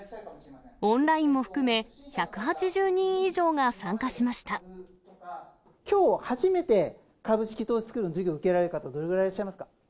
オンラインも含め、きょう、初めて株式投資スクールの授業受けられる方、どれぐらいいらっしゃいますか。